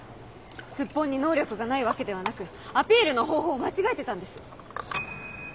スッポンに能力がないわけではなくアピールの方法を間違えてたんです。